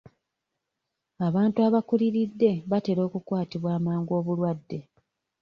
Abantu abakuliridde batera okukwatibwa amangu obulwadde.